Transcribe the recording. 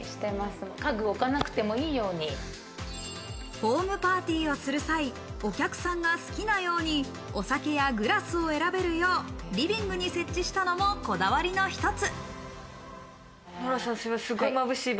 ホームパーティーをする際、お客さんが好きなようにお酒やグラスを選べるよう、リビングに設置したのも、こだわりの一つ。